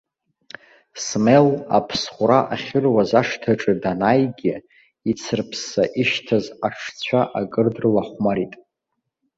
Смел аԥсхәра ахьыруаз ашҭаҿы данааигьы, ицырԥсса ишьҭаз аҽцәа акыр дрылахәмарит.